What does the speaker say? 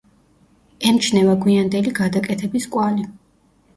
ემჩნევა გვიანდელი გადაკეთების კვალი.